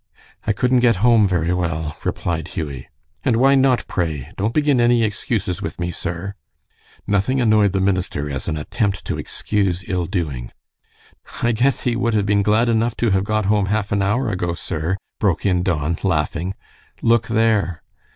"I couldn't get home very well," replied Hughie. "And why not, pray? Don't begin any excuses with me, sir." Nothing annoyed the minister as an attempt to excuse ill doing. "I guess he would have been glad enough to have got home half an hour ago, sir," broke in Don, laughing. "Look there."